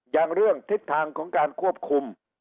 อย่างเรื่องทิศทางของการควบคุม